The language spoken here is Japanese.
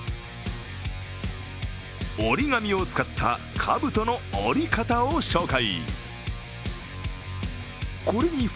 折り紙を使った、かぶとの折り方を紹介。